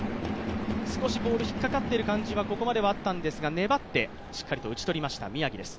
少しボール引っ掛かっている感じは、ここまではあったんですが粘って、しっかりと打ち取りました、宮城です。